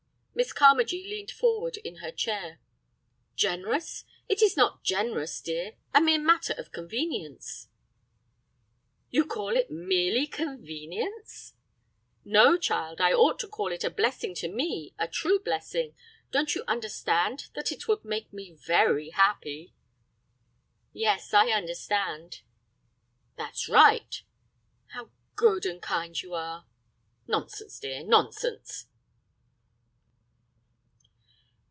Miss Carmagee leaned forward in her chair. "Generous? It is not generous, dear; a mere matter of convenience." "You call it merely 'convenience'?" "No, child, I ought to call it a blessing to me, a true blessing. Don't you understand that it would make me very happy?" "Yes, I understand." "That's right." "How good and kind you are." "Nonsense, dear, nonsense."